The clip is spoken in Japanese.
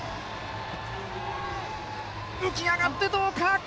浮き上がって、どうか！